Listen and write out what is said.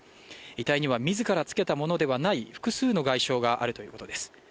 遺体には自ら付けたものではない複数の外傷があるということです